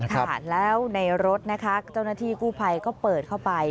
ค่ะแล้วในรถนะคะเจ้าหน้าที่กู้ภัยก็เปิดเข้าไป